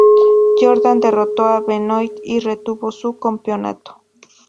Jordan derrotó a Benoit y retuvo su campeonato.